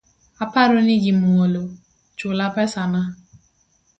Aparo ni gi mwolo, chula pesana